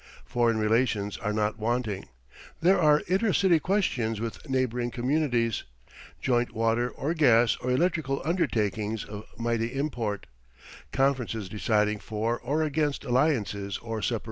Foreign relations are not wanting. There are inter city questions with neighboring communities, joint water or gas or electrical undertakings of mighty import, conferences deciding for or against alliances or separations.